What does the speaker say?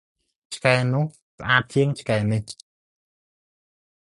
ឆ្កែនោះស្អាតជាងឆ្កែនេះ។